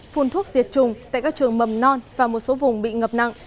phun thuốc diệt trùng tại các trường mầm non và một số vùng bị ngập nặng